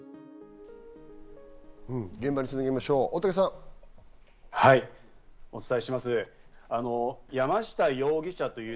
現場につなぎましょう。